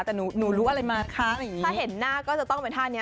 แต่หนูรู้อะไรมาคะถ้าเห็นหน้าก็จะต้องเป็นท่านี้